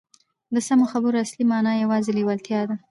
د سمو خبرو اصلي مانا یوازې لېوالتیا ده